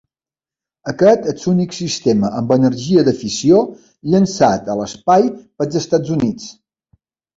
Aquest és l'únic sistema amb energia de fissió llançat a l'espai pels Estats Units.